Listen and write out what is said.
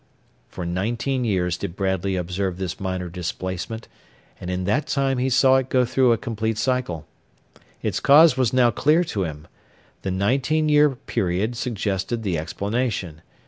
For nineteen years did Bradley observe this minor displacement, and in that time he saw it go through a complete cycle. Its cause was now clear to him; the nineteen year period suggested the explanation.